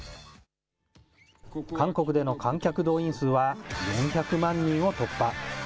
韓国での観客動員数は４００万人を突破。